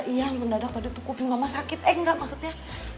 iya mendadak tadi tukupin mama sakit eh enggak maksudnya